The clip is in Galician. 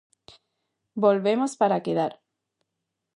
Volvemos para quedar.